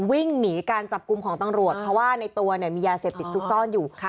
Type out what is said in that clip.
วิ่งหนีการจับกลุ่มของตำรวจเพราะว่าในตัวเนี่ยมียาเสพติดซุกซ่อนอยู่ค่ะ